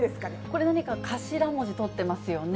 これ何か頭文字取ってますよね。